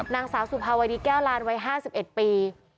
นางสาวสุภาวดีแก้วลานวัย๕๑ปี